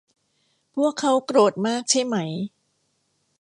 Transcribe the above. พวกเค้าโกรธมากใช่ไหม